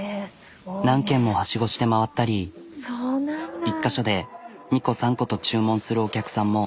何軒もハシゴして回ったり１か所で２個３個と注文するお客さんも。